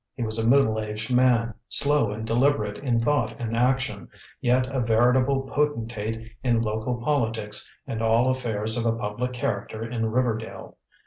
He was a middle aged man, slow and deliberate in thought and action, yet a veritable potentate in local politics and all affairs of a public character in Riverdale.